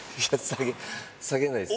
下げないです。